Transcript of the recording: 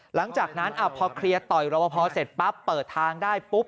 หลังจากนั้นพอเคลียร์ต่อยรอบพอเสร็จปั๊บเปิดทางได้ปุ๊บ